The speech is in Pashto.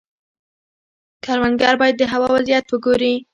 کروندګر باید د هوا وضعیت وګوري.